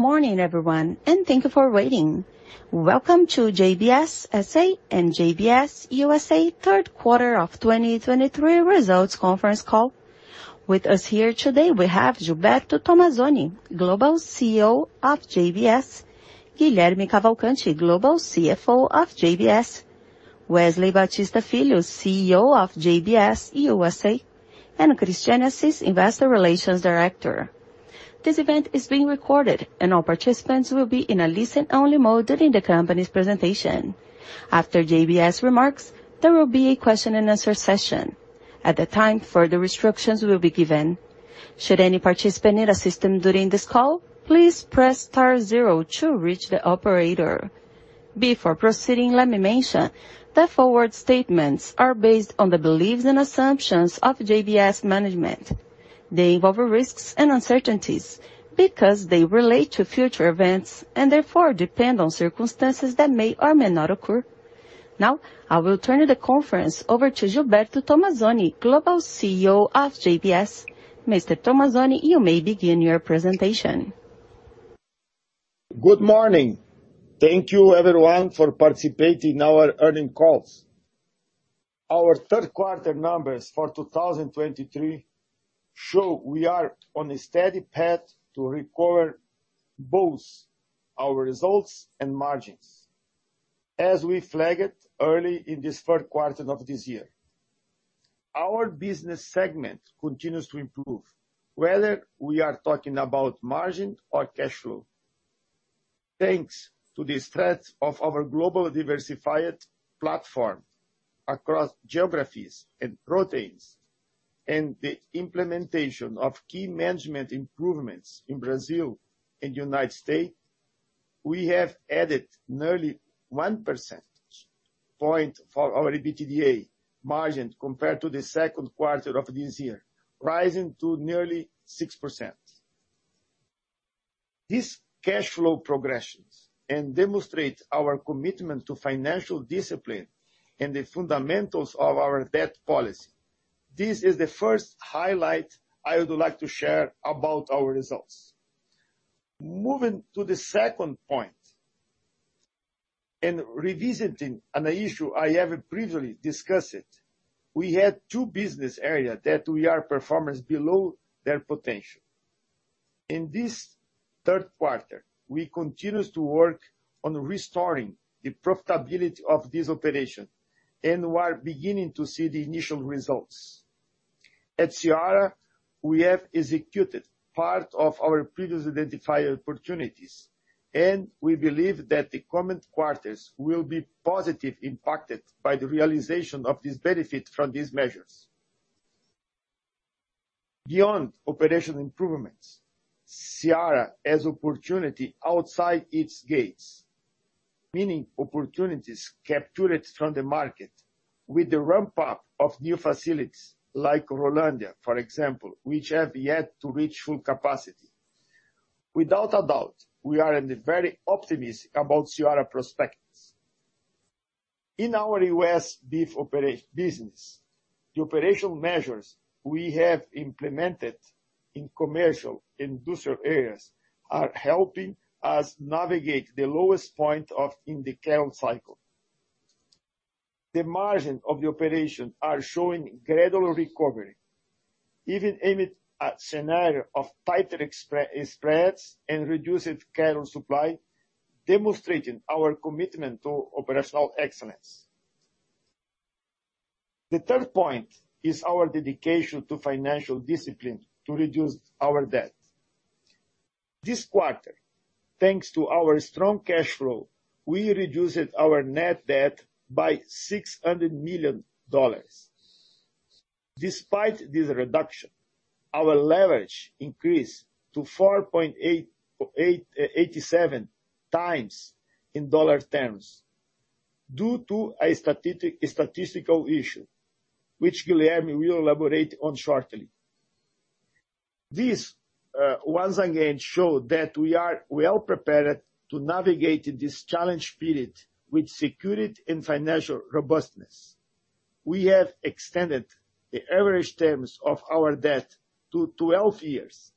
Good morning, everyone, and thank you for waiting. Welcome to JBS S.A. and JBS USA Third Quarter of 2023 results conference call. With us here today, we have Gilberto Tomazoni, Global CEO of JBS, Guilherme Cavalcanti, Global CFO of JBS, Wesley Batista Filho, CEO of JBS USA, and Christiane Assis, Investor Relations Director. This event is being recorded, and all participants will be in a listen-only mode during the company's presentation. After JBS remarks, there will be a question-and-answer session. At that time, further restrictions will be given. Should any participant need assistance during this call, please press star zero to reach the operator. Before proceeding, let me mention that forward statements are based on the beliefs and assumptions of JBS management. They involve risks and uncertainties because they relate to future events and therefore depend on circumstances that may or may not occur. Now, I will turn the conference over to Gilberto Tomazoni, Global CEO of JBS. Mr. Tomazoni, you may begin your presentation. Good morning. Thank you everyone for participating in our earnings call. Our third quarter numbers for 2023 show we are on a steady path to recover both our results and margins. As we flagged early in this third quarter of this year, our business segment continues to improve, whether we are talking about margin or cash flow. Thanks to the strength of our global diversified platform across geographies and proteins, and the implementation of key management improvements in Brazil and United States, we have added nearly 1 percentage point for our EBITDA margin compared to the second quarter of this year, rising to nearly 6%. This cash flow progressions and demonstrate our commitment to financial discipline and the fundamentals of our debt policy. This is the first highlight I would like to share about our results. Moving to the second point, and revisiting an issue I have previously discussed, we had two business areas that we are performing below their potential. In this third quarter, we continued to work on restoring the profitability of this operation and we are beginning to see the initial results. At Seara, we have executed part of our previously identified opportunities, and we believe that the coming quarters will be positively impacted by the realization of this benefit from these measures. Beyond operational improvements, Seara has opportunity outside its gates, meaning opportunities captured from the market with the ramp-up of new facilities like Rolândia, for example, which have yet to reach full capacity. Without a doubt, we are very optimistic about Seara prospects. In our U.S. beef business, the operational measures we have implemented in commercial, industrial areas are helping us navigate the lowest point of the cattle cycle. The margin of the operation are showing gradual recovery, even amid a scenario of tighter export spreads and reduced cattle supply, demonstrating our commitment to operational excellence. The third point is our dedication to financial discipline to reduce our debt. This quarter, thanks to our strong cash flow, we reduced our net debt by $600 million. Despite this reduction, our leverage increased to 4.87x in dollar terms, due to a statistical issue, which Guilherme will elaborate on shortly. This once again show that we are well-prepared to navigate this challenge period with security and financial robustness. We have extended the average terms of our debt to 12 years,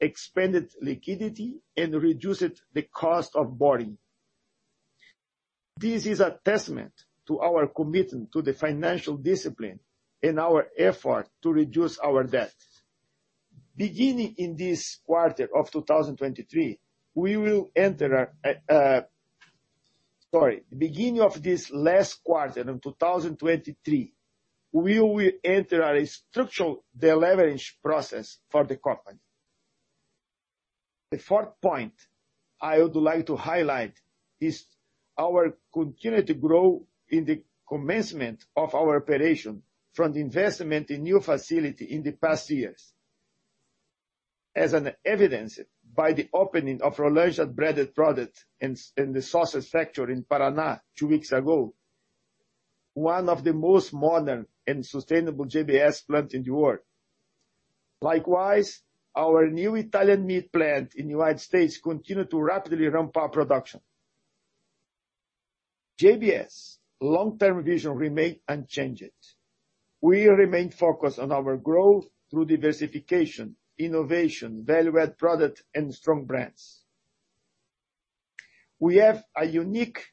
expanded liquidity, and reduced the cost of borrowing. This is a testament to our commitment to the financial discipline and our effort to reduce our debt. Beginning of this last quarter in 2023, we will enter a structural deleverage process for the company. The fourth point I would like to highlight is our continued growth in the commencement of our operation from the investment in new facility in the past years. As evidenced by the opening of Rolândia breaded product and the sauces factory in Paraná two weeks ago, one of the most modern and sustainable JBS plant in the world. Likewise, our new Italian meat plant in the United States continued to rapidly ramp up production. JBS' long-term vision remain unchanged. We remain focused on our growth through diversification, innovation, value-add product, and strong brands. We have a unique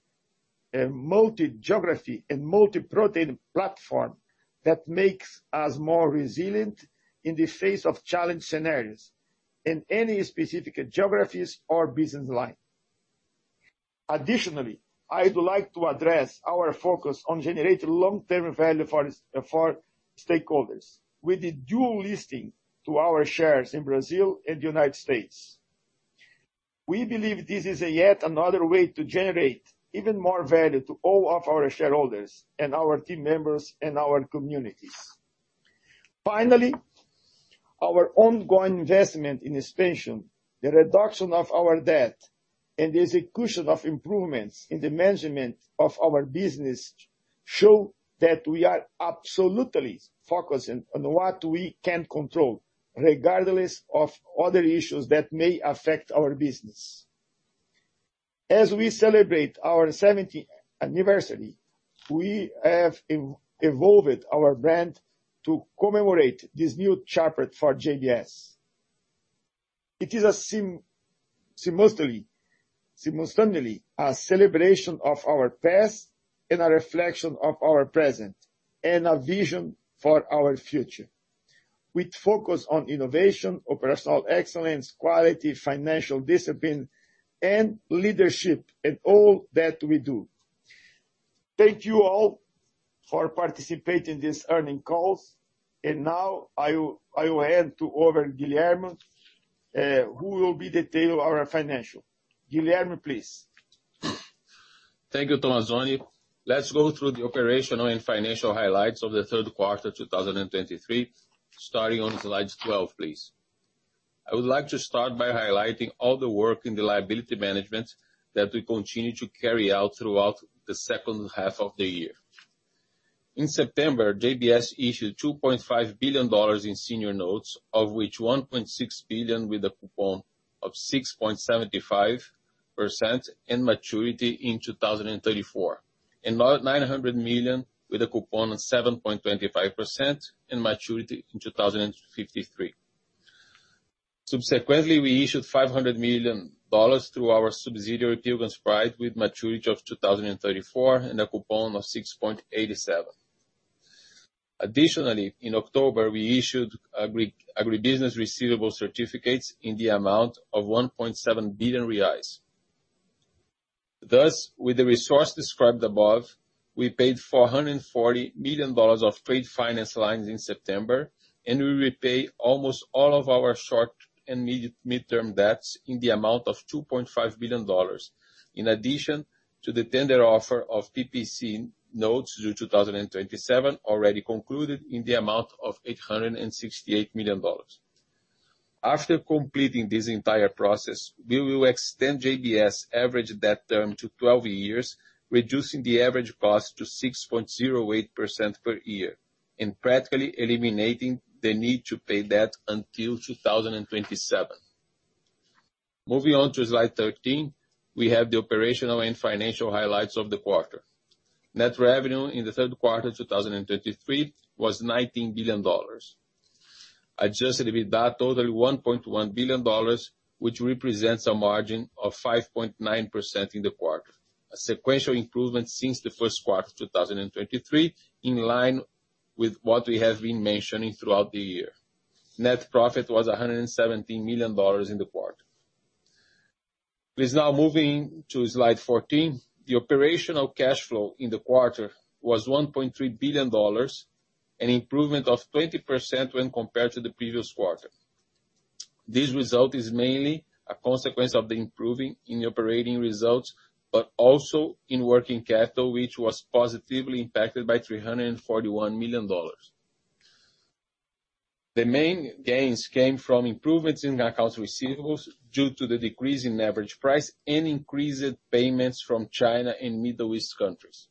multi-geography and multi-protein platform that makes us more resilient in the face of challenge scenarios, in any specific geographies or business line. Additionally, I would like to address our focus on generating long-term value for stakeholders, with the dual listing to our shares in Brazil and the United States. We believe this is yet another way to generate even more value to all of our shareholders and our team members, and our communities. Finally, our ongoing investment in expansion, the reduction of our debt, and the execution of improvements in the management of our business show that we are absolutely focused on what we can control, regardless of other issues that may affect our business. As we celebrate our 70th anniversary, we have evolved our brand to commemorate this new chapter for JBS. It is simultaneously a celebration of our past and a reflection of our present, and a vision for our future. With focus on innovation, operational excellence, quality, financial discipline, and leadership in all that we do. Thank you all for participating in this earnings call, and now I will hand over to Guilherme, who will be detailing our financials. Guilherme, please. Thank you, Tomazoni. Let's go through the operational and financial highlights of the third quarter, 2023, starting on slide 12, please. I would like to start by highlighting all the work in the liability management that we continue to carry out throughout the second half of the year. In September, JBS issued $2.5 billion in senior notes, of which $1.6 billion with a coupon of 6.75%, and maturity in 2034, and $900 million with a coupon of 7.25%, and maturity in 2053. Subsequently, we issued $500 million through our subsidiary, Pilgrim's Pride, with maturity of 2034, and a coupon of 6.87. Additionally, in October, we issued Agribusiness Receivable Certificates in the amount of 1.7 billion reais. Thus, with the resource described above, we paid $440 million of trade finance lines in September, and we repay almost all of our short and mid-term debts in the amount of $2.5 billion, in addition to the tender offer of PPC notes due 2027, already concluded in the amount of $868 million. After completing this entire process, we will extend JBS' average debt term to 12 years, reducing the average cost to 6.08% per year, and practically eliminating the need to pay debt until 2027. Moving on to slide 13, we have the operational and financial highlights of the quarter. Net revenue in the third quarter, 2023, was $19 billion. Adjusted EBITDA, totally $1.1 billion, which represents a margin of 5.9% in the quarter. A sequential improvement since the first quarter 2023, in line with what we have been mentioning throughout the year. Net profit was $117 million in the quarter. Please, now moving to slide 14. The operational cash flow in the quarter was $1.3 billion, an improvement of 20% when compared to the previous quarter. This result is mainly a consequence of the improvement in operating results, but also in working capital, which was positively impacted by $341 million. The main gains came from improvements in accounts receivable, due to the decrease in average price, and increased payments from China and Middle East countries.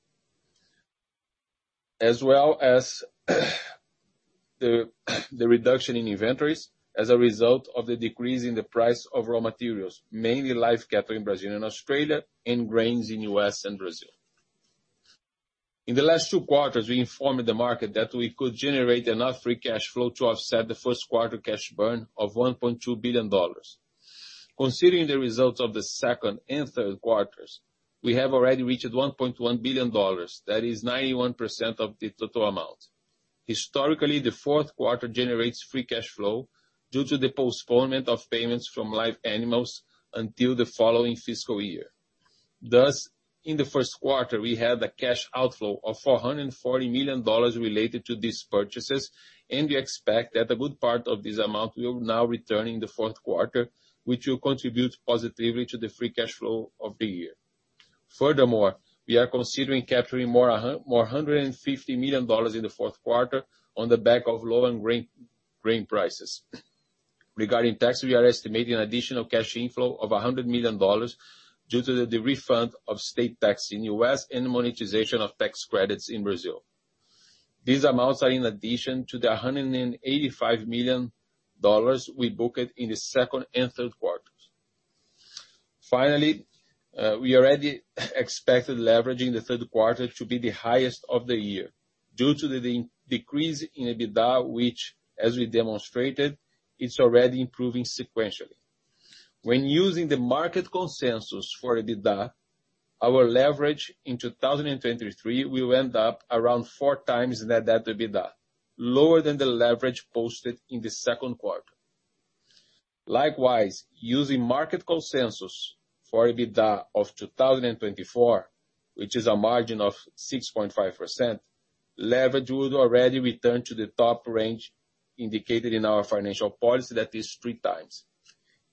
As well as the reduction in inventories, as a result of the decrease in the price of raw materials, mainly livestock in Brazil and Australia, and grains in U.S. and Brazil. In the last two quarters, we informed the market that we could generate enough free cash flow to offset the first quarter cash burn of $1.2 billion. Considering the results of the second and third quarters, we have already reached $1.1 billion, that is 91% of the total amount. Historically, the fourth quarter generates free cash flow due to the postponement of payments from live animals until the following fiscal year. Thus, in the first quarter, we had a cash outflow of $440 million related to these purchases, and we expect that a good part of this amount will now return in the fourth quarter, which will contribute positively to the free cash flow of the year. Furthermore, we are considering capturing more $150 million in the fourth quarter on the back of lower grain prices. Regarding tax, we are estimating an additional cash inflow of $100 million due to the refund of state tax in U.S., and the monetization of tax credits in Brazil.... These amounts are in addition to the $185 million we booked in the second and third quarters. Finally, we already expected leveraging the third quarter to be the highest of the year, due to the decrease in EBITDA, which, as we demonstrated, is already improving sequentially. When using the market consensus for EBITDA, our leverage in 2023 will end up around 4x net debt to EBITDA, lower than the leverage posted in the second quarter. Likewise, using market consensus for EBITDA of 2024, which is a margin of 6.5%, leverage would already return to the top range indicated in our financial policy, that is 3x.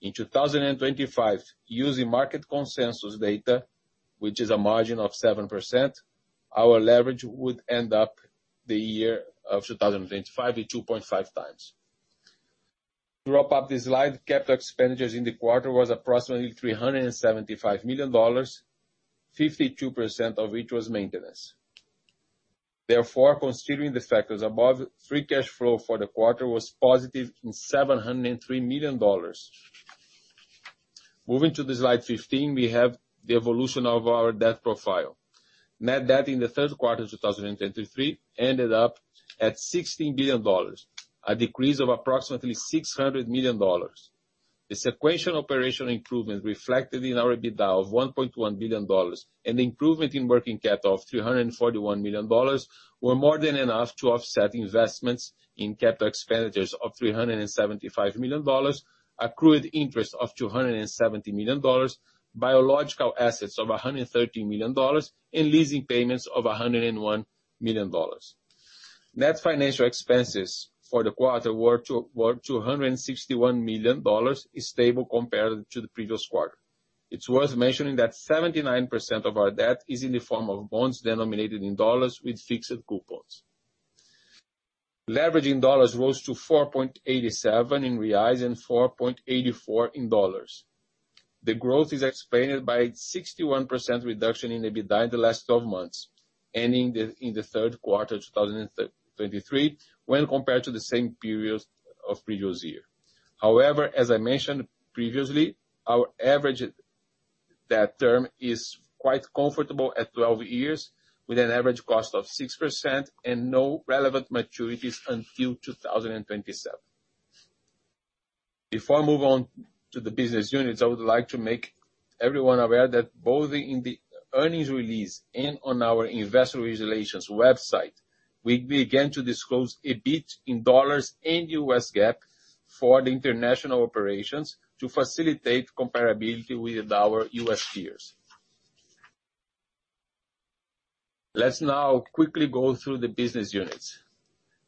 In 2025, using market consensus data, which is a margin of 7%, our leverage would end up the year of 2025 at 2.5x. Wrap up the slide. Capital expenditures in the quarter was approximately $375 million, 52% of which was maintenance. Therefore, considering the factors above, free cash flow for the quarter was positive in $703 million. Moving to the slide 15, we have the evolution of our debt profile. Net debt in the third quarter of 2023 ended up at $16 billion, a decrease of approximately $600 million. The sequential operational improvement reflected in our EBITDA of $1.1 billion, and improvement in working capital of $341 million were more than enough to offset investments in capital expenditures of $375 million, accrued interest of $270 million, biological assets of $113 million, and leasing payments of $101 million. Net financial expenses for the quarter were $261 million, is stable compared to the previous quarter. It's worth mentioning that 79% of our debt is in the form of bonds denominated in dollars with fixed coupons. Leverage in dollars rose to 4.87 in reais and 4.84 in dollars. The growth is explained by 61% reduction in EBITDA in the last 12 months, ending in the third quarter, 2023, when compared to the same period of previous year. However, as I mentioned previously, our average debt term is quite comfortable at 12 years, with an average cost of 6% and no relevant maturities until 2027. Before I move on to the business units, I would like to make everyone aware that both in the earnings release and on our investor relations website, we began to disclose EBIT in dollars and US GAAP for the international operations to facilitate comparability with our U.S. peers. Let's now quickly go through the business units.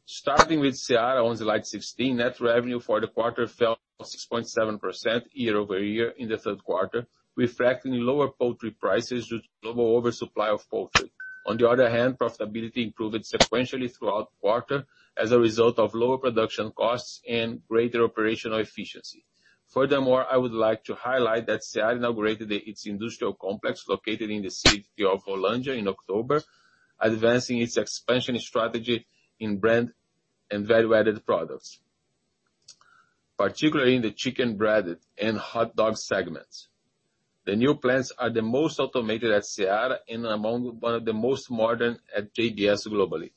Starting with Seara on slide 16, net revenue for the quarter fell 6.7% year-over-year in the third quarter, reflecting lower poultry prices due to global oversupply of poultry. On the other hand, profitability improved sequentially throughout the quarter as a result of lower production costs and greater operational efficiency. Furthermore, I would like to highlight that Seara inaugurated its industrial complex, located in the city of Holambra in October, advancing its expansion strategy in brand and value-added products, particularly in the chicken, bread, and hot dog segments. The new plants are the most automated at Seara and among one of the most modern at JBS globally.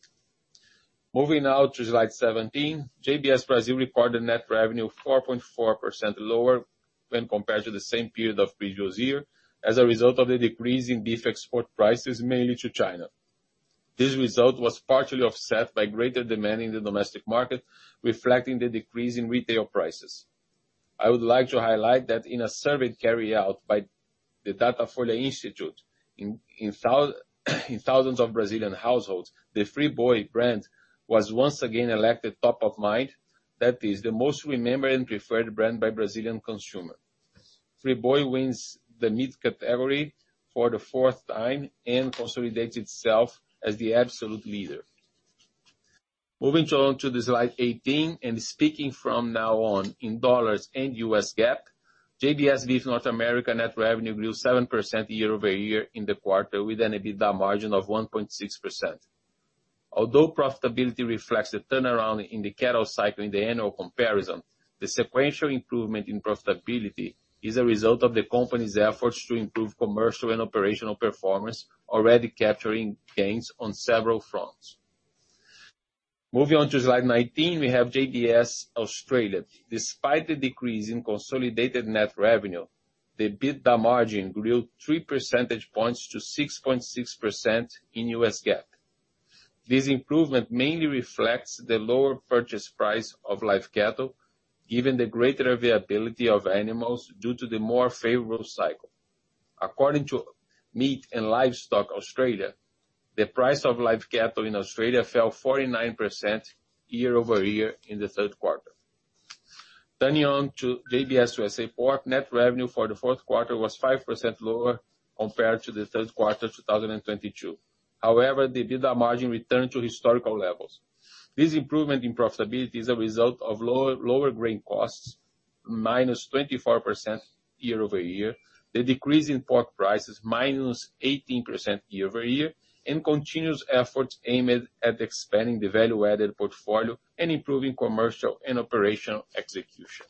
Moving now to slide 17, JBS Brazil reported net revenue 4.4% lower when compared to the same period of previous year, as a result of the decrease in beef export prices, mainly to China. This result was partially offset by greater demand in the domestic market, reflecting the decrease in retail prices. I would like to highlight that in a survey carried out by the Datafolha Institute, in thousands of Brazilian households, the Friboi brand was once again elected top of mind. That is the most remembered and preferred brand by Brazilian consumer. Friboi wins the meat category for the fourth time and consolidates itself as the absolute leader. Moving on to the slide 18, and speaking from now on in dollars and US GAAP, JBS Beef North America net revenue grew 7% year-over-year in the quarter, with an EBITDA margin of 1.6%. Although profitability reflects the turnaround in the cattle cycle in the annual comparison, the sequential improvement in profitability is a result of the company's efforts to improve commercial and operational performance, already capturing gains on several fronts. Moving on to slide 19, we have JBS Australia. Despite the decrease in consolidated net revenue, the EBITDA margin grew 3 percentage points to 6.6% in US GAAP. This improvement mainly reflects the lower purchase price of live cattle, given the greater availability of animals due to the more favorable cycle. According to Meat & Livestock Australia, the price of live cattle in Australia fell 49% year-over-year in the third quarter. Turning to JBS USA Pork, net revenue for the fourth quarter was 5% lower compared to the third quarter of 2022. However, the EBITDA margin returned to historical levels. This improvement in profitability is a result of lower, lower grain costs, -24% year-over-year, the decrease in pork prices -18% year-over-year, and continuous efforts aimed at expanding the value-added portfolio and improving commercial and operational execution.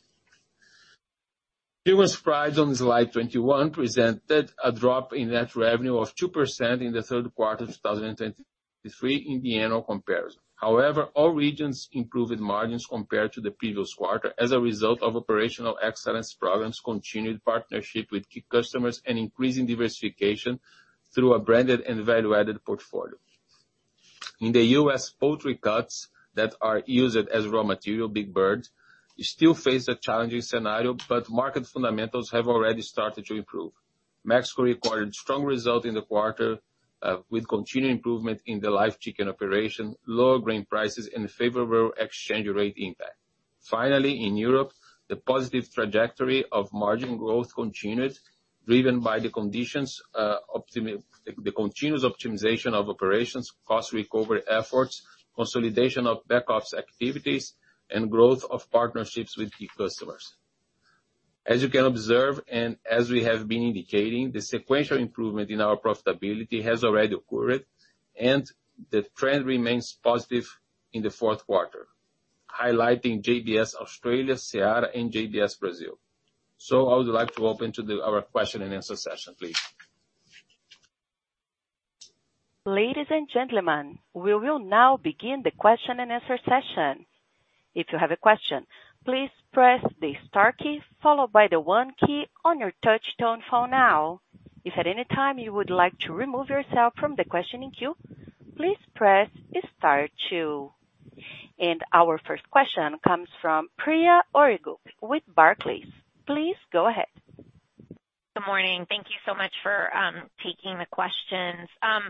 Previous slides on slide 21 presented a drop in net revenue of 2% in the third quarter of 2023 in the annual comparison. However, all regions improved in margins compared to the previous quarter as a result of operational excellence programs, continued partnership with key customers, and increasing diversification through a branded and value-added portfolio. In the U.S., poultry cuts that are used as raw material, big birds, we still face a challenging scenario, but market fundamentals have already started to improve. Mexico required strong result in the quarter, with continued improvement in the live chicken operation, lower grain prices, and favorable exchange rate impact. Finally, in Europe, the positive trajectory of margin growth continued, driven by the conditions, the continuous optimization of operations, cost recovery efforts, consolidation of back ops activities, and growth of partnerships with key customers. As you can observe, and as we have been indicating, the sequential improvement in our profitability has already occurred, and the trend remains positive in the fourth quarter, highlighting JBS Australia, Seara, and JBS Brazil. So I would like to open to our question-and-answer session, please. Ladies and gentlemen, we will now begin the question-and-answer session. If you have a question, please press the star key followed by the one key on your touch-tone phone now. If at any time you would like to remove yourself from the questioning queue, please press star two. And our first question comes from Priya Ohri-Gupta with Barclays. Please go ahead. Good morning. Thank you so much for taking the questions. I'm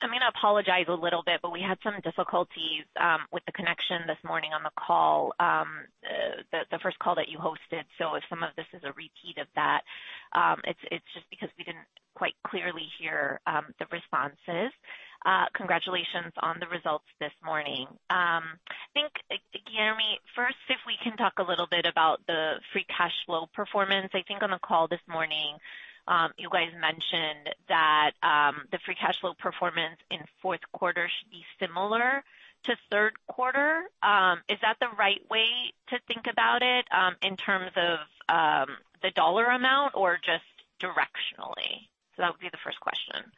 gonna apologize a little bit, but we had some difficulties with the connection this morning on the call, the first call that you hosted. So if some of this is a repeat of that, it's just because we didn't quite clearly hear the responses. Congratulations on the results this morning. I think, Guilherme, first, if we can talk a little bit about the free cash flow performance. I think on the call this morning, you guys mentioned that the free cash flow performance in fourth quarter should be similar to third quarter. Is that the right way to think about it, in terms of the dollar amount or just directionally? So that would be the first question.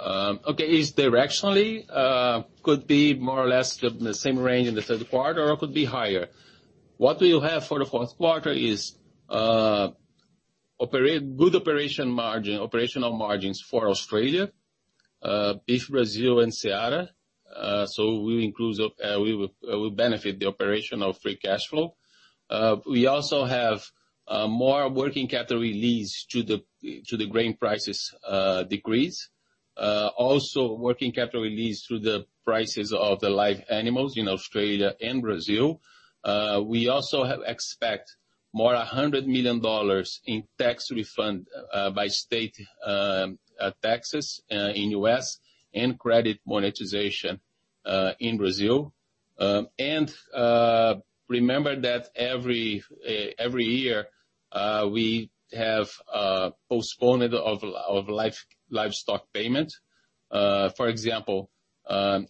Okay, it's directionally could be more or less the same range in the third quarter or could be higher. What we'll have for the fourth quarter is good operational margins for Australia, beef Brazil and Seara. So we will benefit the operation of free cash flow. We also have more working capital release to the grain prices decrease. Also working capital release through the prices of the live animals in Australia and Brazil. We also expect more $100 million in tax refund by state taxes in U.S. and credit monetization in Brazil. And remember that every year we have postponed of live livestock payment. For example,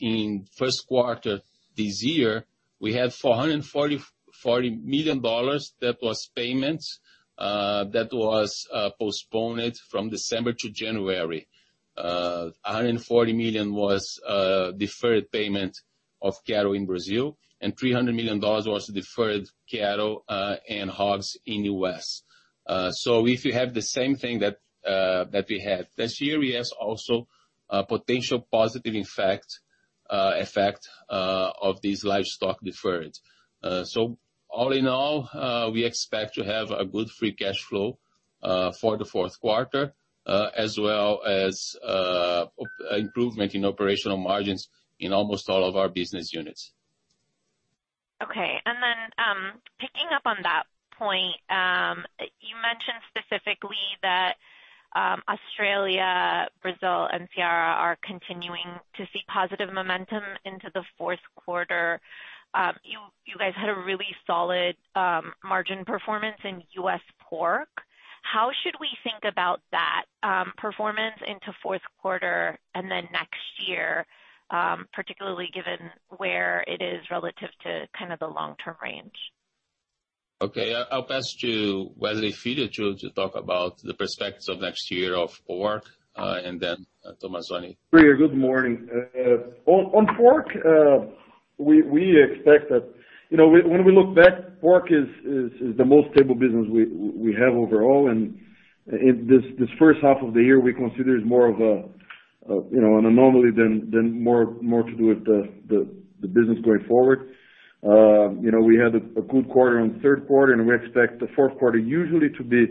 in first quarter this year, we had $440 million that was payments that was postponed from December to January. $140 million was deferred payment of cattle in Brazil, and $300 million was deferred cattle and hogs in U.S. So if you have the same thing that we had this year, we has also a potential positive effect of these livestock deferred. So all in all, we expect to have a good free cash flow for the fourth quarter as well as improvement in operational margins in almost all of our business units. Okay. And then, picking up on that point, you mentioned specifically that Australia, Brazil, and Seara are continuing to see positive momentum into the fourth quarter. You, you guys had a really solid margin performance in U.S. pork. How should we think about that performance into fourth quarter and then next year, particularly given where it is relative to kind of the long-term range? Okay, I'll pass to Wesley Filho to talk about the prospects of next year of pork, and then Tomazoni. Priya, good morning. On pork, we expect that... You know, when we look back, pork is the most stable business we have overall, and in this first half of the year, we consider is more of a, you know, an anomaly than more to do with the business going forward. You know, we had a good quarter on the third quarter, and we expect the fourth quarter usually to be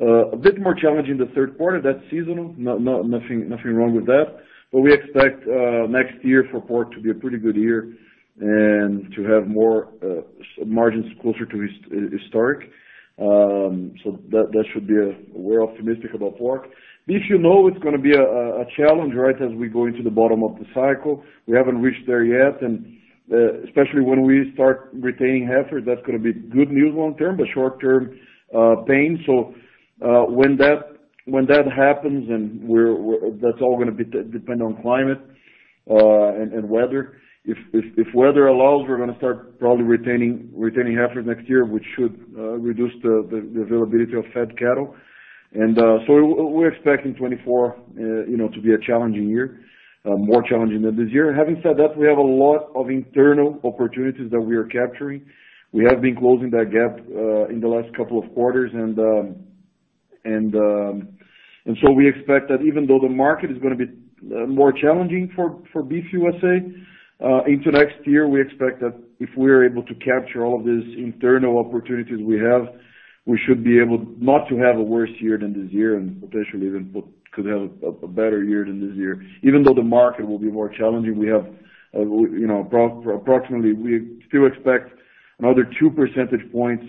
a bit more challenging the third quarter. That's seasonal, no, nothing wrong with that. But we expect next year for pork to be a pretty good year... and to have more margins closer to his historic. So that should be, we're optimistic about pork. Beef, you know, it's gonna be a challenge, right, as we go into the bottom of the cycle. We haven't reached there yet, and especially when we start retaining heifers, that's gonna be good news long term, but short term, pain. So when that happens, and we're, that's all gonna be depend on climate, and weather. If weather allows, we're gonna start probably retaining heifers next year, which should reduce the availability of fed cattle. And so we're expecting 2024, you know, to be a challenging year, more challenging than this year. Having said that, we have a lot of internal opportunities that we are capturing. We have been closing that gap in the last couple of quarters, and so we expect that even though the market is gonna be more challenging for JBS USA into next year, we expect that if we're able to capture all of these internal opportunities we have, we should be able not to have a worse year than this year, and potentially even put- could have a better year than this year. Even though the market will be more challenging, we have you know approximately, we still expect another 2 percentage points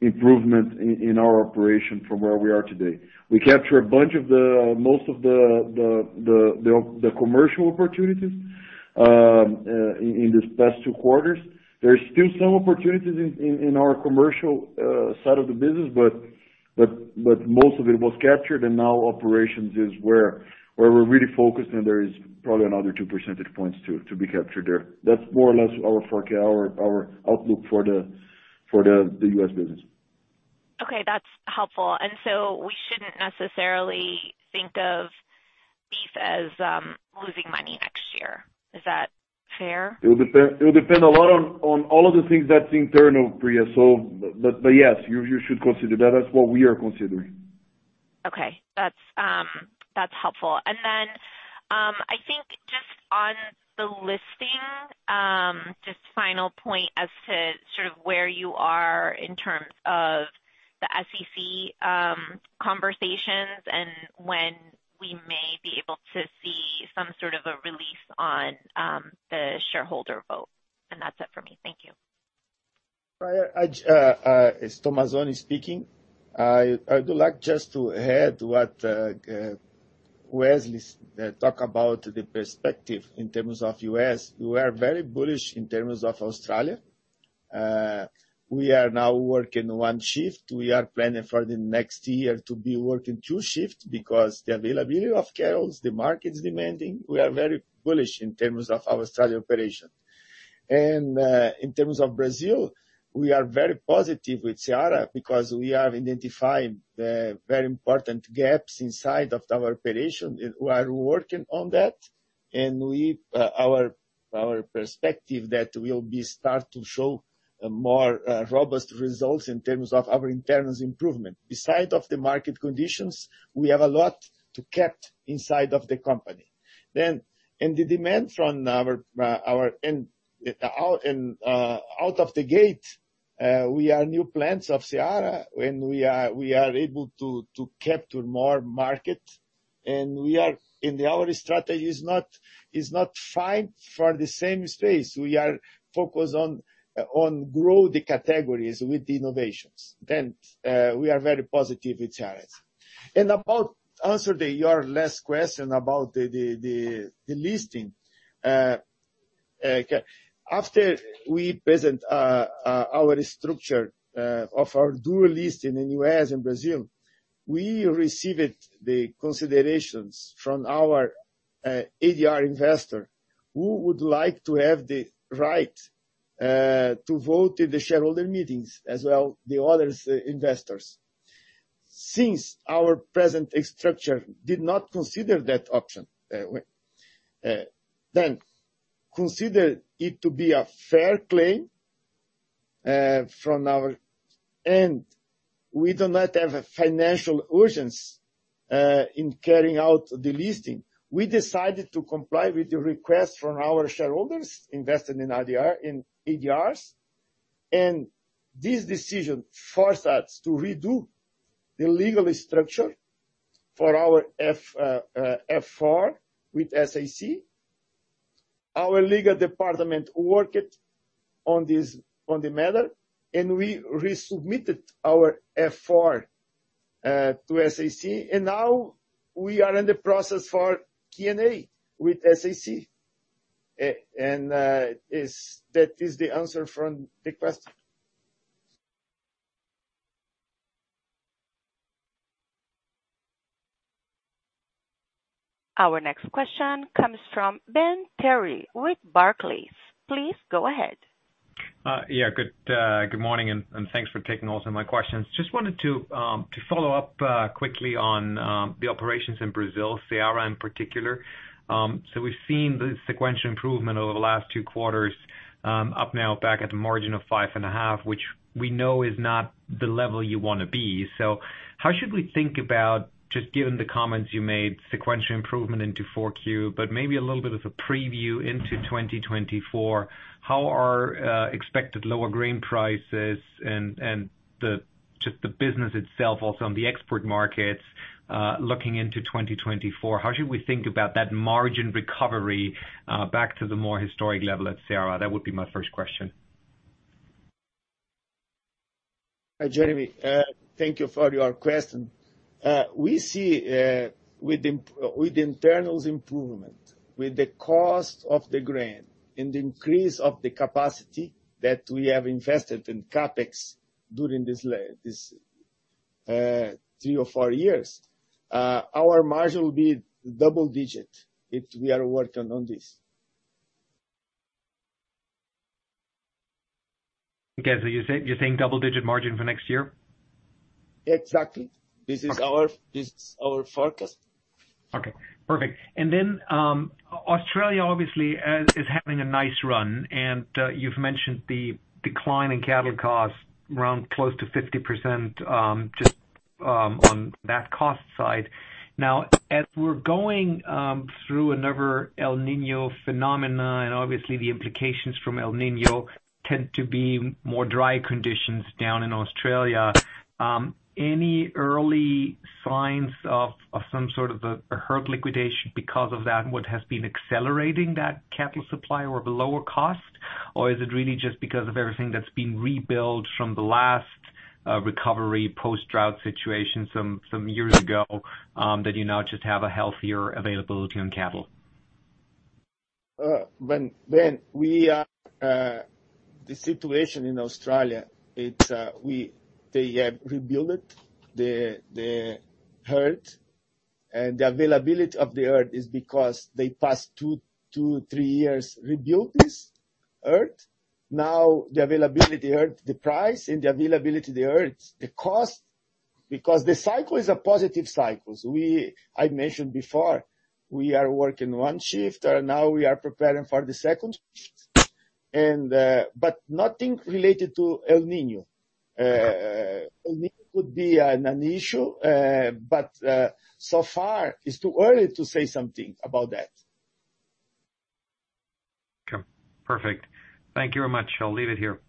improvement in our operation from where we are today. We capture a bunch of the most of the commercial opportunities in these past two quarters. There are still some opportunities in our commercial side of the business, but most of it was captured, and now operations is where we're really focused, and there is probably another 2 percentage points to be captured there. That's more or less our forecast, our outlook for the U.S. business. Okay, that's helpful. And so we shouldn't necessarily think of beef as losing money next year. Is that fair? It will depend. It will depend a lot on all of the things that's internal, Priya. So, but yes, you should consider that. That's what we are considering. Okay. That's helpful. And then, I think just on the listing, just final point as to sort of where you are in terms of the SEC conversations and when we may be able to see some sort of a relief on the shareholder vote? And that's it for me. Thank you. Priya, I it's Tomazoni speaking. I would like just to add what Wesley's talk about the perspective in terms of U.S.. We are very bullish in terms of Australia. We are now working one shift. We are planning for the next year to be working two shifts because the availability of cattle, the market is demanding. We are very bullish in terms of our Australia operation. And in terms of Brazil, we are very positive with Seara, because we have identified the very important gaps inside of our operation, and we are working on that. And we our perspective that we'll be start to show a more robust results in terms of our internal improvement. Beside of the market conditions, we have a lot to kept inside of the company. Then, the demand from our end out of the gate, we are new plants of Seara, and we are able to capture more market, and we are. And our strategy is not fight for the same space. We are focused on grow the categories with innovations, and we are very positive with Seara. And about answer your last question about the listing. After we present our structure of our dual listing in U.S. and Brazil, we received the considerations from our ADR investor, who would like to have the right to vote in the shareholder meetings, as well, the other investors. Since our present structure did not consider that option, then consider it to be a fair claim from our. We do not have a financial urgency in carrying out the listing. We decided to comply with the request from our shareholders invested in ADR, in ADRs, and this decision forced us to redo the legal structure for our F-4 with the SEC. Our legal department worked on this, on the matter, and we resubmitted our F-4 to the SEC, and now we are in the process for Q&A with the SEC. And that is the answer to the question. Our next question comes from Ben Theurer, with Barclays. Please go ahead. Yeah, good morning, and thanks for taking all of my questions. Just wanted to follow up quickly on the operations in Brazil, Seara in particular. So we've seen the sequential improvement over the last two quarters, up now back at the margin of 5.5%, which we know is not the level you wanna be. So how should we think about, just given the comments you made, sequential improvement into Q4, but maybe a little bit of a preview into 2024, how are expected lower grain prices and the business itself, also on the export markets, looking into 2024, how should we think about that margin recovery back to the more historic level at Seara? That would be my first question.... Hi, Theurer. Thank you for your question. We see with the internal improvements, with the cost of the grain and the increase of the capacity that we have invested in CAPEX during this three or four years, our margin will be double-digit if we are working on this. Okay, so you're saying, you're saying double-digit margin for next year? Exactly. This is our, this is our forecast. Okay, perfect. And then, Australia obviously is having a nice run, and you've mentioned the decline in cattle costs around close to 50%, just on that cost side. Now, as we're going through another El Niño phenomena, and obviously the implications from El Niño tend to be more dry conditions down in Australia, any early signs of some sort of a herd liquidation because of that, and what has been accelerating that cattle supply or the lower cost? Or is it really just because of everything that's been rebuilt from the last recovery post-drought situation some years ago that you now just have a healthier availability on cattle? When we are the situation in Australia, it's they have rebuilt the herd, and the availability of the herd is because the past two-three years rebuilt this herd. Now, the availability herd, the price, and the availability of the herds, the cost, because the cycle is a positive cycles. I mentioned before, we are working one shift, and now we are preparing for the second shift. But nothing related to El Niño. El Niño could be an issue, but so far it's too early to say something about that. Okay. Perfect. Thank you very much. I'll leave it here.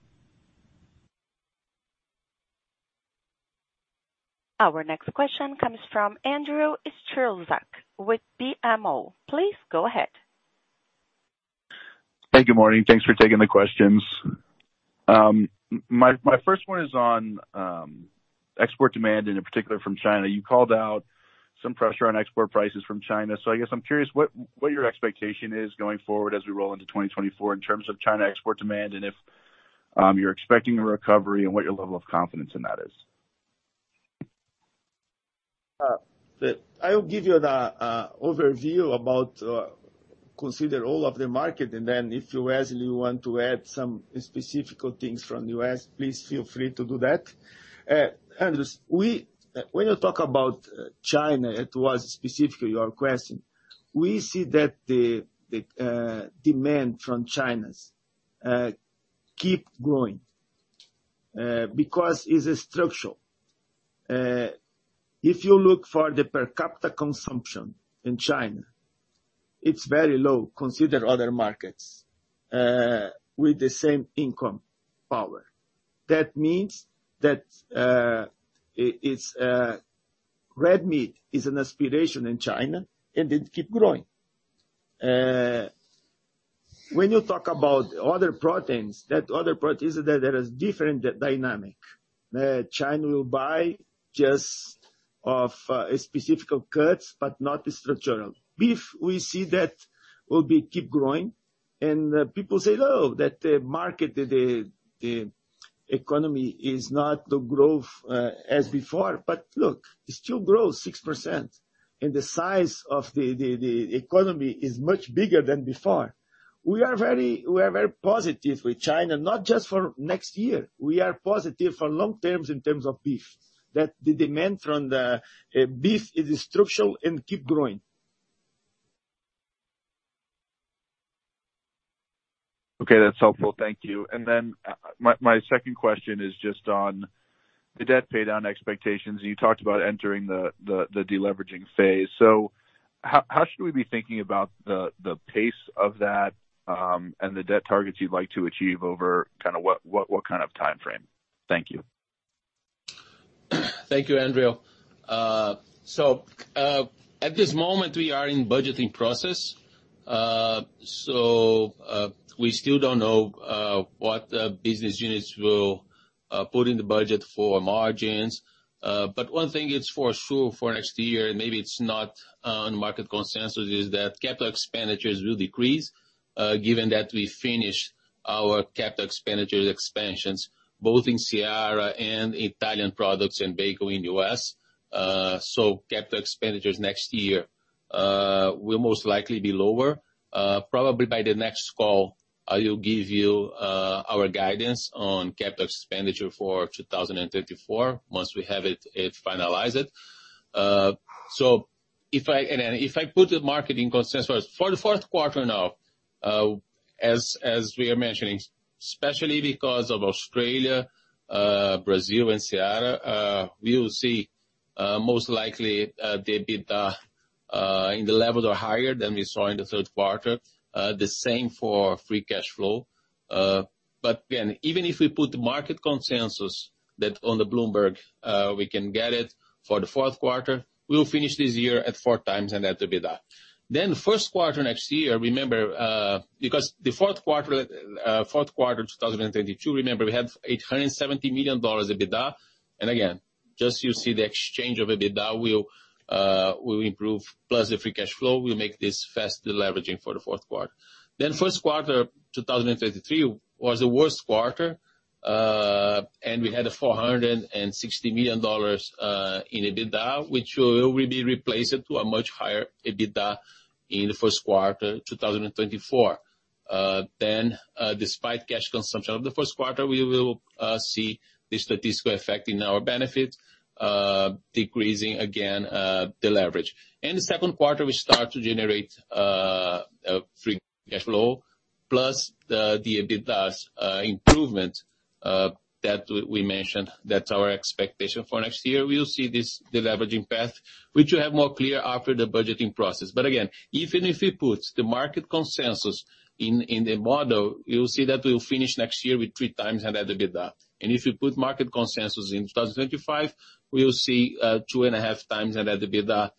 Our next question comes from Andrew Strelzik with BMO. Please go ahead. Hey, good morning. Thanks for taking the questions. My first one is on export demand, and in particular from China. You called out some pressure on export prices from China, so I guess I'm curious what your expectation is going forward as we roll into 2024 in terms of China export demand, and if you're expecting a recovery, and what your level of confidence in that is? I'll give you the overview about consider all of the market, and then if you actually want to add some specific things from the U.S., please feel free to do that. And we, when you talk about China, it was specifically your question, we see that the demand from China's keep growing, because it's structural. If you look for the per capita consumption in China, it's very low, consider other markets, with the same income power. That means that red meat is an aspiration in China, and it keep growing. When you talk about other proteins, that other proteins, there is different dynamic. China will buy just of a specific cuts, but not structural. Beef, we see that will be keep growing, and people say, Oh, that the market, the economy is not the growth as before. But look, it still grows 6%, and the size of the economy is much bigger than before. We are very, we are very positive with China, not just for next year. We are positive for long term in terms of beef, that the demand from the beef is structural and keep growing. Okay, that's helpful. Thank you. And then my second question is just on the debt paydown expectations. You talked about entering the deleveraging phase. So how should we be thinking about the pace of that, and the debt targets you'd like to achieve over kind of what kind of time frame? Thank you. Thank you, Andrew. So, at this moment, we are in budgeting process. So, we still don't know what business units will put in the budget for margins. But one thing is for sure, for next year, maybe it's not on market consensus, is that capital expenditures will decrease, given that we finish our capital expenditures expansions, both in Seara and value-added products and bacon in the US. So capital expenditures next year will most likely be lower. Probably by the next call, I will give you our guidance on capital expenditure for 2034, once we have it, it finalized. So if I... Then if I put the market consensus for the fourth quarter now, as we are mentioning, especially because of Australia, Brazil and Seara, we will see most likely the EBITDA in the levels or higher than we saw in the third quarter. The same for free cash flow. But again, even if we put the market consensus that's on the Bloomberg, we can get it for the fourth quarter, we'll finish this year at four times and at the EBITDA. Then the first quarter next year, remember, because the fourth quarter, fourth quarter of 2022, remember we had $870 million EBITDA, and again?... Just you see the exchange of EBITDA will improve, plus the free cash flow will make this fast deleveraging for the fourth quarter. Then first quarter, 2023 was the worst quarter, and we had a $460 million in EBITDA, which will be replaced to a much higher EBITDA in the first quarter, 2024. Then, despite cash consumption of the first quarter, we will see the statistical effect in our benefit, decreasing again, the leverage. In the second quarter, we start to generate free cash flow, plus the EBITDA's improvement that we mentioned, that's our expectation for next year. We'll see this deleveraging path, which will have more clear after the budgeting process. But again, even if it puts the market consensus in the model, you'll see that we'll finish next year with 3x EBITDA. And if you put market consensus in 2025, we will see 2.5x EBITDA.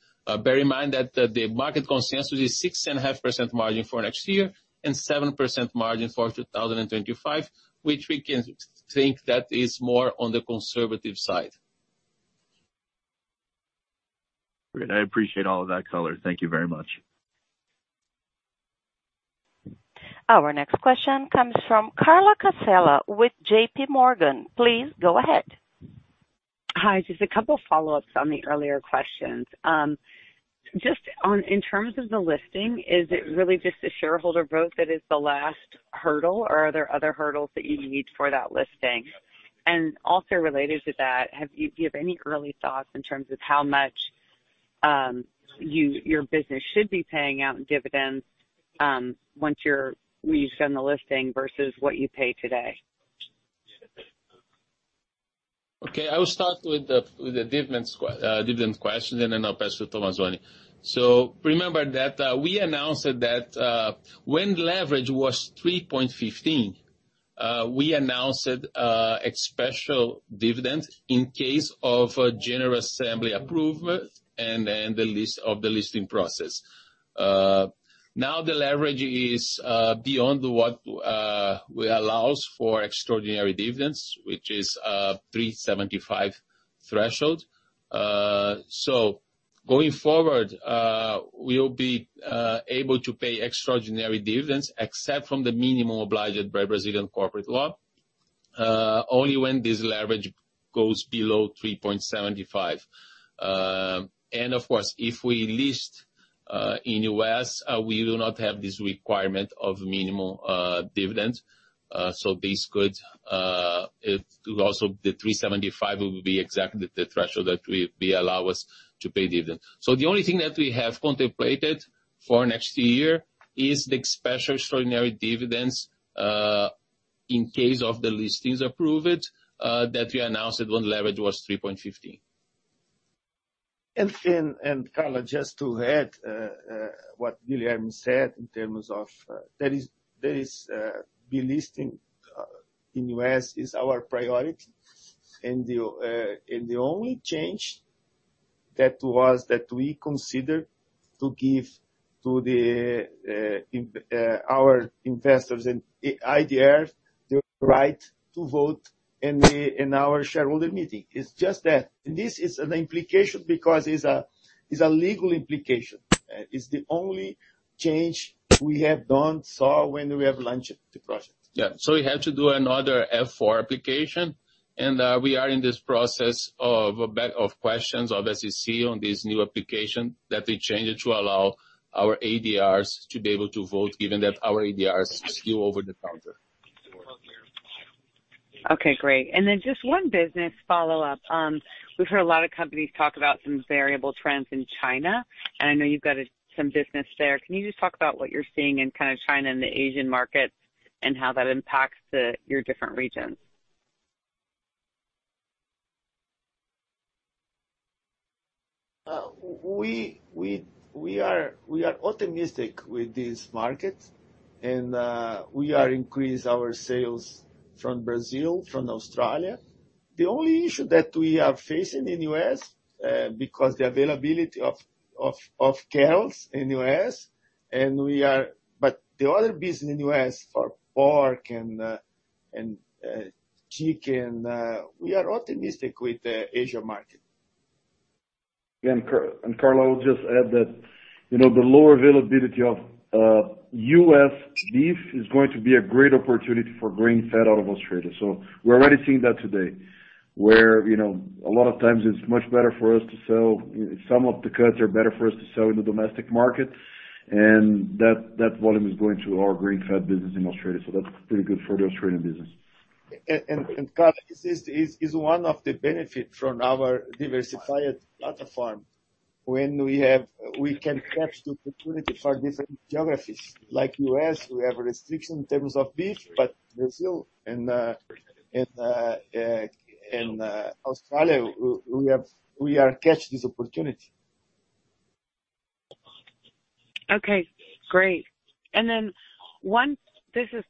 Bear in mind that the market consensus is 6.5% margin for next year and 7% margin for 2025, which we can think that is more on the conservative side. Great, I appreciate all of that color. Thank you very much. Our next question comes from Carla Casella with JPMorgan. Please go ahead. Hi, just a couple follow-ups on the earlier questions. Just on in terms of the listing, is it really just a shareholder vote that is the last hurdle, or are there other hurdles that you need for that listing? And also related to that, do you have any early thoughts in terms of how much, your business should be paying out in dividends, when you've done the listing versus what you pay today? Okay, I will start with the dividend question, and then I'll pass to Tomazoni. So remember that we announced that when leverage was 3.15, we announced a special dividend in case of a general assembly approval, and then the listing process. Now, the leverage is beyond what allows for extraordinary dividends, which is 3.75 threshold. So going forward, we'll be able to pay extraordinary dividends, except from the minimum obligated by Brazilian corporate law, only when this leverage goes below 3.75. And of course, if we list in U.S., we do not have this requirement of minimal dividends. So this could, it also, the 3.75 will be exactly the threshold that we allow us to pay dividend. The only thing that we have contemplated for next year is the special extraordinary dividends, in case of the listings approved, that we announced when leverage was 3.50. Carla, just to add what Guilherme said in terms of, there is delisting in the U.S. is our priority, and the only change that we considered to give to our investors in ADR, the right to vote in our shareholder meeting. It's just that. This is an implication because it's a legal implication. It's the only change we have done so when we have launched the project. Yeah. So we had to do another F-4 application, and we are in this process of a barrage of questions of SEC on this new application that we changed to allow our ADRs to be able to vote, given that our ADRs trade over the counter. Okay, great. Just one business follow-up. We've heard a lot of companies talk about some variable trends in China, and I know you've got some business there. Can you just talk about what you're seeing in kind of China and the Asian markets, and how that impacts your different regions? We are optimistic with this market, and we are increased our sales from Brazil, from Australia. The only issue that we are facing in U.S., because the availability of cows in U.S., and we are. But the other business in U.S. for pork and chicken, we are optimistic with the Asia market. Carla, I'll just add that, you know, the lower availability of U.S. beef is going to be a great opportunity for grain-fed out of Australia. So we're already seeing that today, where, you know, a lot of times it's much better for us to sell, some of the cuts are better for us to sell in the domestic market, and that volume is going to our grain-fed business in Australia, so that's pretty good for the Australian business. And Carla, this is one of the benefit from our diversified platform. When we have, we can catch the opportunity for different geographies, like U.S., we have a restriction in terms of beef, but Brazil and Australia, we have, we are catch this opportunity. Okay, great. And then one... This is,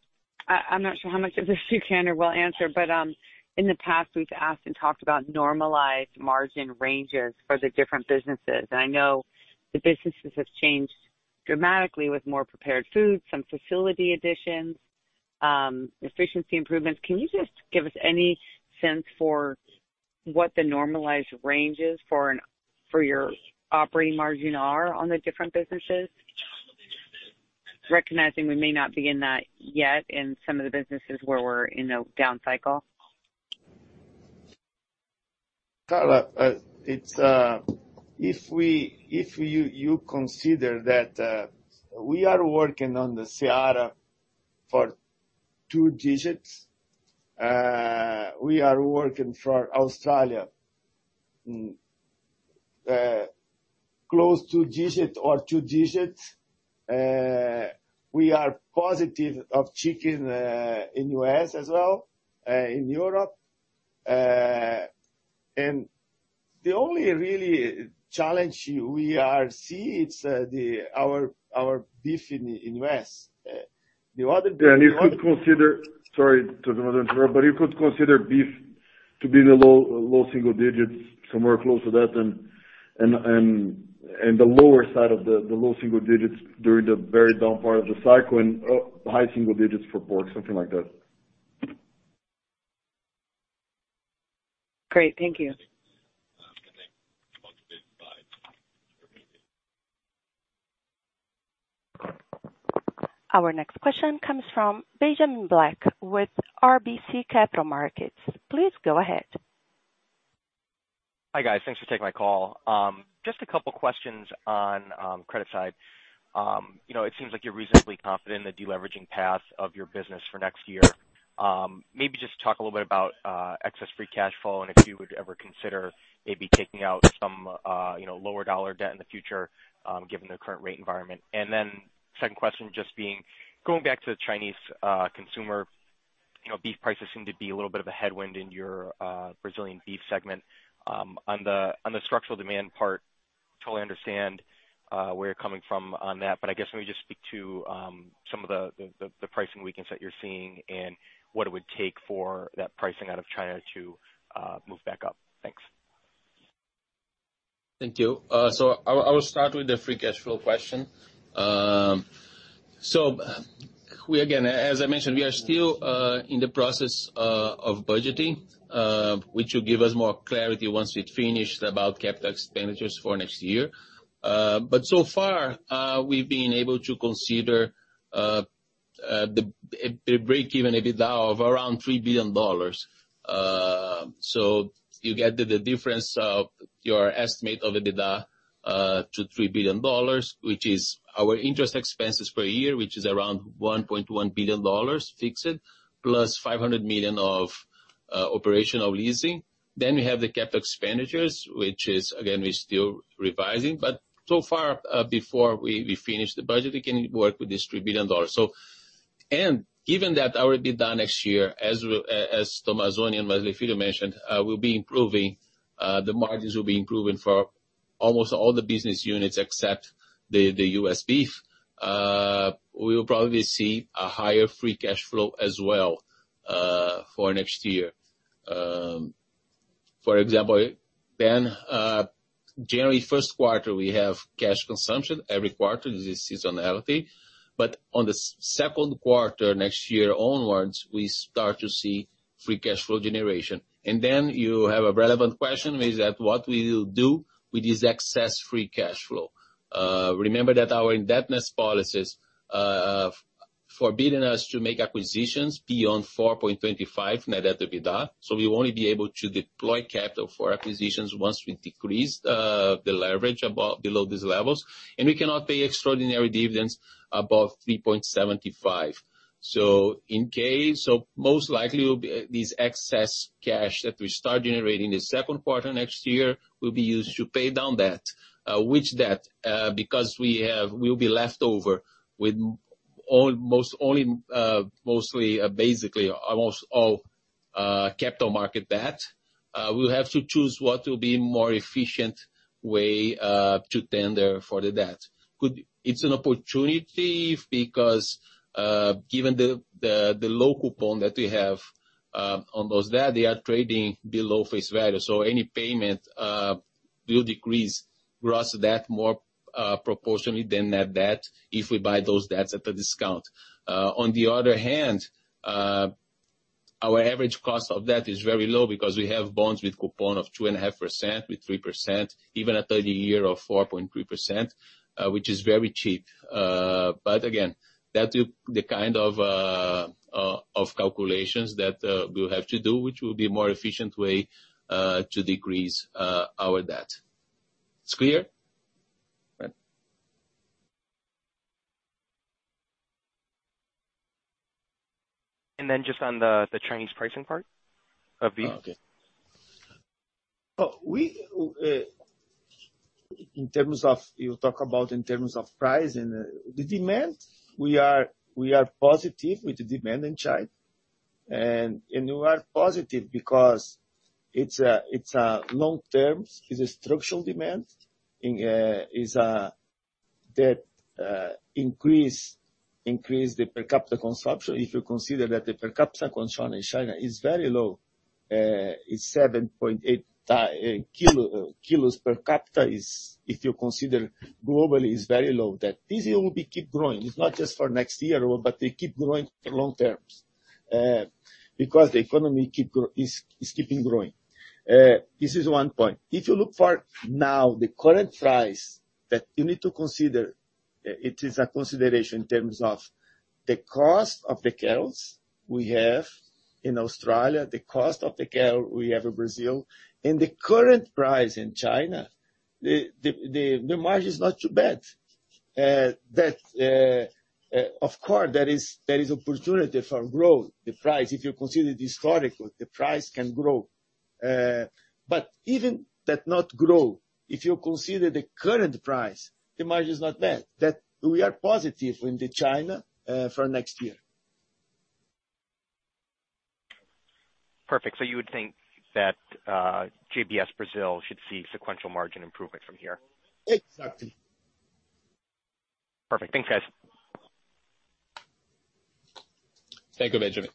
I'm not sure how much of this you can or will answer, but, in the past, we've asked and talked about normalized margin ranges for the different businesses. And I know the businesses have changed dramatically with more prepared foods, some facility additions.... efficiency improvements, can you just give us any sense for what the normalized range is for your operating margin are on the different businesses? Recognizing we may not be in that yet, in some of the businesses where we're in a down cycle. Carla, it's if you consider that we are working on the Seara for two digits, we are working for Australia close two digit or two digits. We are positive of chicken in U.S. as well, in Europe. And the only really challenge we are seeing it's our beef in U.S. The other- Yeah, and you could consider... Sorry to not interrupt, but you could consider beef to be the low, low single digits, somewhere close to that, and the lower side of the low single digits during the very down part of the cycle, and high single digits for pork, something like that. Great. Thank you. Our next question comes from Benjamin Black with RBC Capital Markets. Please go ahead. Hi, guys. Thanks for taking my call. Just a couple questions on, credit side. You know, it seems like you're reasonably confident in the deleveraging path of your business for next year. Maybe just talk a little bit about, excess free cash flow, and if you would ever consider maybe taking out some, you know, lower dollar debt in the future, given the current rate environment. And then second question, just going back to the Chinese consumer, you know, beef prices seem to be a little bit of a headwind in your, Brazilian beef segment. On the structural demand part, totally understand where you're coming from on that, but I guess let me just speak to some of the pricing weakness that you're seeing and what it would take for that pricing out of China to move back up. Thanks. Thank you. So I, I will start with the free cash flow question. So we again, as I mentioned, we are still in the process of budgeting, which will give us more clarity once we finish about CAPEX expenditures for next year. But so far, we've been able to consider a break-even EBITDA of around $3 billion. So you get the difference of your estimate of EBITDA to $3 billion, which is our interest expenses per year, which is around $1.1 billion, fixed, plus $500 million of operational leasing. Then we have the CAPEX expenditures, which is again, we're still revising, but so far, before we finish the budget, we can work with this $3 billion. So... Given that our EBITDA next year, as Tomazoni and Wesley Filho mentioned, will be improving, the margins will be improving for almost all the business units except the U.S. beef. We will probably see a higher free cash flow as well, for next year. For example, then, generally first quarter, we have cash consumption every quarter, this is only healthy, but on the second quarter, next year onwards, we start to see free cash flow generation. Then you have a relevant question, is that what we will do with this excess free cash flow? Remember that our indebtedness policies, forbidding us to make acquisitions beyond 4.25 net EBITDA, so we will only be able to deploy capital for acquisitions once we decrease the leverage above, below these levels. We cannot pay extraordinary dividends above 3.75. So in case, so most likely, these excess cash that we start generating the second quarter next year, will be used to pay down debt. Which debt? Because we will be left over with almost only, mostly, basically almost all, capital market debt. We'll have to choose what will be more efficient way to tender for the debt. It's an opportunity because, given the low coupon that we have on those debt, they are trading below face value, so any payment will decrease gross debt more proportionally than that debt, if we buy those debts at a discount. On the other hand, our average cost of debt is very low because we have bonds with coupon of 2.5%, with 3%, even a 30-year of 4.3%, which is very cheap. But again, that will, the kind of, of calculations that, we'll have to do, which will be more efficient way, to decrease, our debt. It's clear? Right. And then just on the Chinese pricing part of these? Oh, okay. We, in terms of, you talk about in terms of price and, the demand, we are, we are positive with the demand in China. And, we are positive because it's a, it's a long term, it's a structural demand. In, is, that, increase, increase the per capita consumption. If you consider that the per capita consumption in China is very low, it's 7.8 kilos per capita is, if you consider globally, is very low, that this year will be keep growing. It's not just for next year, but they keep growing long terms, because the economy is keeping growing. This is one point. If you look for now, the current price that you need to consider, it is a consideration in terms of the cost of the cattle we have in Australia, the cost of the cattle we have in Brazil, and the current price in China, the margin is not too bad. Of course, there is opportunity for growth, the price, if you consider historically, the price can grow. But even that not grow, if you consider the current price, the margin is not bad, that we are positive in China, for next year. Perfect. So you would think that, JBS Brazil should see sequential margin improvement from here? Exactly. Perfect. Thanks, guys. Thank you, Benjamin.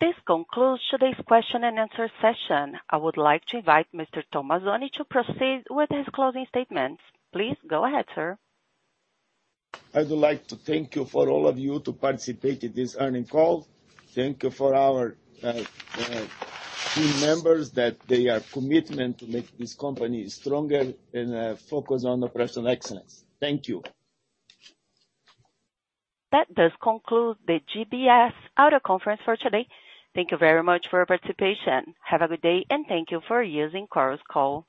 This concludes today's question-and-answer session. I would like to invite Mr. Tomazoni to proceed with his closing statements. Please go ahead, sir. I would like to thank you for all of you to participate in this earnings call. Thank you for our team members, that they are commitment to make this company stronger and focus on operational excellence. Thank you. That does conclude the JBS audio conference for today. Thank you very much for your participation. Have a good day, and thank you for using Chorus Call.